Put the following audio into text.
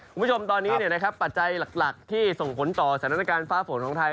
คุณผู้ชมตอนนี้ปัจจัยหลักที่ส่งผลต่อสถานการณ์ฟ้าฝนของไทย